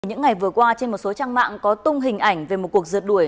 những ngày vừa qua trên một số trang mạng có tung hình ảnh về một cuộc rượt đuổi